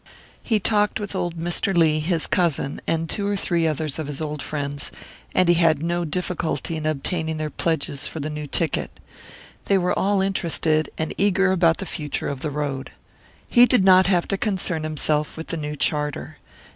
He talked with old Mr. Lee, his cousin, and two or three others of his old friends, and he had no difficulty in obtaining their pledges for the new ticket. They were all interested, and eager about the future of the road. He did not have to concern himself with the new charter.